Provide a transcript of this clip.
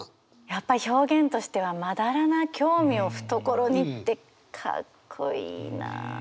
やっぱり表現としては「斑な興味を懐に」ってかっこいいな。